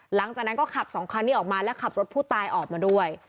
หลังจากนั้นก็ขับสองคันนี้ออกมาและขับรถผู้ตายออกมาด้วย